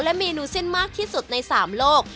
เมนูเส้นมากที่สุดใน๓โลก